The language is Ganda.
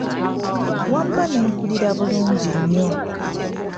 Wamma ne mpulira bulungi nnyo.